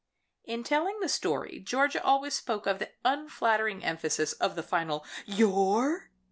_" in telling the story Georgia always spoke of the unflattering emphasis on the final your.